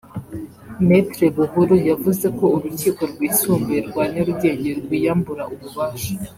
Me Buhuru yavuze ko Urukiko Rwisumbuye rwa Nyarugenge rwiyambura ububasha